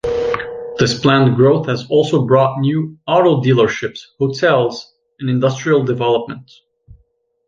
This planned growth has also brought new auto dealerships, hotels, and industrial development.